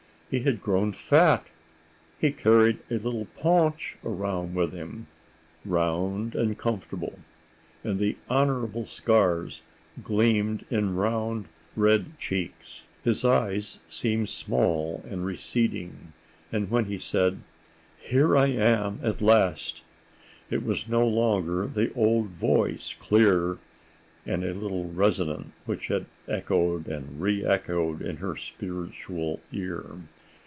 He had grown fat. He carried a little paunch around with him, round and comfortable. And the honorable scars gleamed in round, red cheeks. His eyes seemed small and receding.... And when he said: 'Here I am at last,' it was no longer the old voice, clear and a little resonant, which had echoed and reëchoed in her spiritual ear.